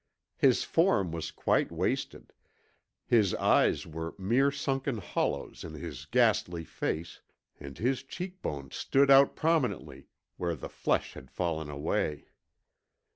His form was quite wasted, his eyes were mere sunken hollows in his ghastly face, and his cheekbones stood out prominently where the flesh had fallen away.